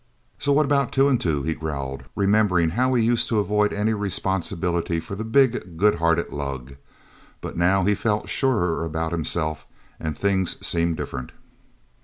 "So what about Two and Two?" he growled, remembering how he used to avoid any responsibility for the big, good hearted lug; but now he felt surer about himself, and things seemed different.